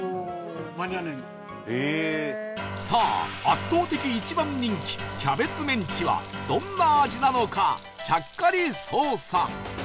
さあ圧倒的一番人気キャベツメンチはどんな味なのかちゃっかり捜査